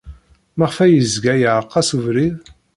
Maɣef ay yezga iɛerreq-as ubrid?